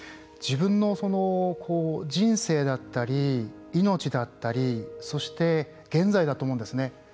自分の人生だったり命だったりそして現在だと思うんですね。